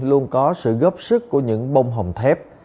luôn có sự góp sức của những bông hồng thép